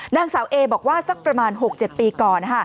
นางสาวเอบอกว่าสักประมาณ๖๗ปีก่อน